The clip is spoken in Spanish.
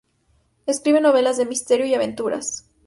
Escribe novelas de misterio y aventuras.